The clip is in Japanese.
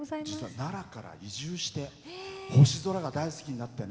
実は、奈良から移住して星空が大好きになって。